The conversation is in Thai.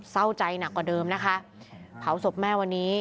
เศร้าใจหนักกว่าเดิมนะคะเผาศพแม่วันนี้